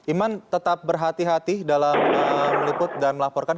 iman tetap berhati hati dalam meliput dan melaporkan